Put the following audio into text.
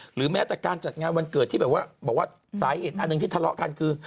หรือแม้แต่การจัดงานวันเกิดที่แบบว่าบอกว่าสาเหตุอันหนึ่งที่ทะเลาะกันคือ